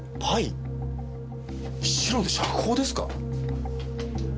シロで釈放ですか？